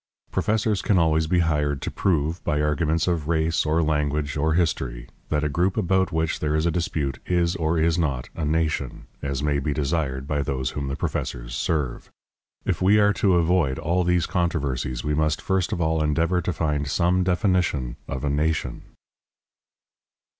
Professors can always be hired to prove, by arguments of race or language or history, that a group about which there is a dispute is, or is not, a nation, as may be desired by those whom the professors serve. If we are to avoid all these controversies, we must first of all endeavor to find some definition of a nation.